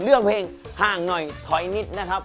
เรื่องเพลงห่างหน่อยถอยนิดนะครับ